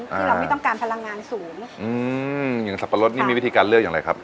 ที่เราไม่ต้องการพลังงานสูงอืมอย่างสับปะรดนี่มีวิธีการเลือกอย่างไรครับ